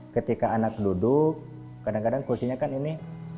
ketika anak duduk kadang kadang kursinya kan ini